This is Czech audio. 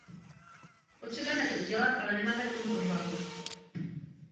Potřebujeme to udělat, ale nemáme k tomu odvahu.